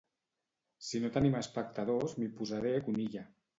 Si no tenim espectadors m'hi posaré conilla